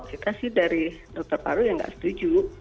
kita sih dari dokter paru yang nggak setuju